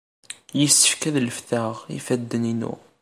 Yessefk ad letfeɣ ifadden-inu.